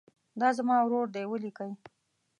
دا زما ورور دی ولیکئ.